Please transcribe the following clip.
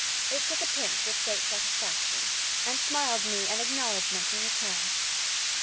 It took a pinch with great satisfaction, and smiled me an acknowledgement in return.